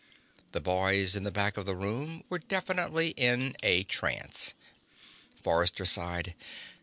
The boys in the back of the room were definitely in a trance. Forrester sighed.